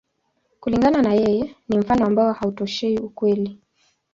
Kulingana na yeye, ni mfano ambao hautoshei ukweli.